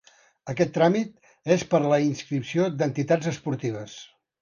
Aquest tràmit és per a la inscripció d'entitats esportives.